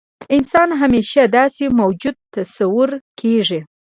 انسان همیشه داسې موجود تصور کېږي.